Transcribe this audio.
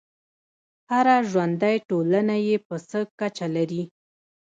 هره ژوندی ټولنه یې په څه کچه لري.